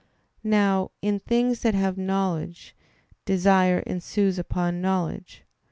Now, in things that have knowledge, desire ensues upon knowledge.